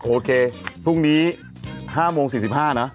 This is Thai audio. โอเคพรุ่งนี้๕โมง๔๕นะ